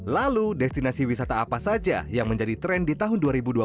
lalu destinasi wisata apa saja yang menjadi tren di tahun dua ribu dua puluh